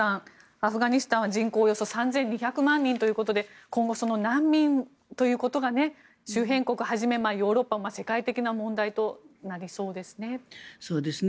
アフガニスタンは人口およそ４７００万人ということで今後、難民ということが周辺国をはじめヨーロッパ、世界的な問題となりそうですね。